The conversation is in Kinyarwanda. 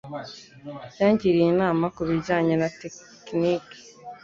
Yangiriye inama kubijyanye na tekiniki.